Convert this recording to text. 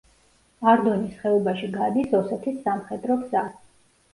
არდონის ხეობაში გადის ოსეთის სამხედრო გზა.